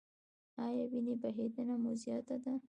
ایا وینې بهیدنه مو زیاته ده؟